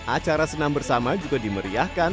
acara senam bersama juga dimeriahkan